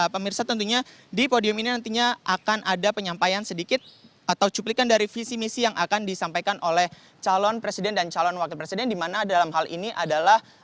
pemirsa tentunya di podium ini nantinya akan ada penyampaian sedikit atau cuplikan dari visi misi yang akan disampaikan oleh calon presiden dan calon wakil presiden di mana dalam hal ini adalah